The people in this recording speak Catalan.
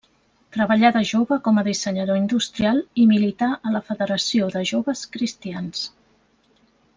Treballà de jove com a dissenyador industrial i milità a la Federació de Joves Cristians.